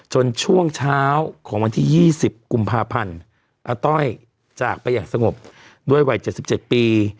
ช่วงเช้าของวันที่๒๐กุมภาพันธ์อาต้อยจากไปอย่างสงบด้วยวัย๗๗ปี